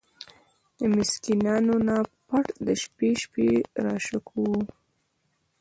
د مسکينانو نه پټ د شپې شپې را شکوو!!.